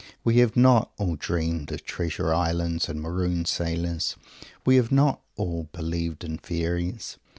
We have not all dreamed of Treasure Islands and Marooned sailors. We have not all "believed in Fairies."